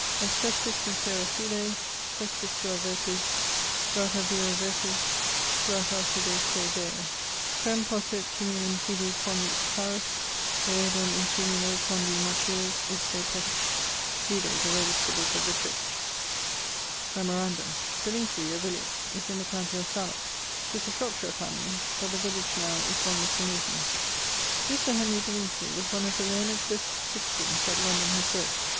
Est testis sincera fides, testis tua virtus, Grata viro virtus, grata fidesque Deo. Quem posuit tumulum tibi conjux charus, eodem In tumulo condi mortuus ipse petit. the Register book . Memorandum: Billingsley (a village) is in the countie of Salop. 'Tis a Shropshire familie; but the village now is one Mr. Norton's. This Sir Henry Billingsley was one of the learnedst citizens that London has bred.